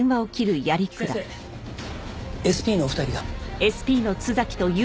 先生ＳＰのお二人が。